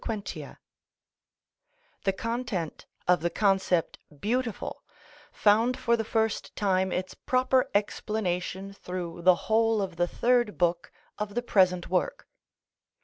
_ The content of the concept beautiful found for the first time its proper explanation through the whole of the Third Book of the present work.